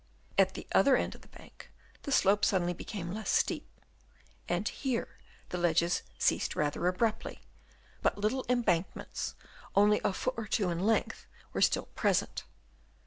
At the other end of the bank, the slope suddenly became less steep, and here the ledges ceased rather abruptly ; but little em bankments only a foot or two in length were still present.